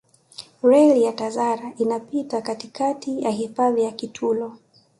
reli ya tazara inapita katika ya hifadhi ya kitulo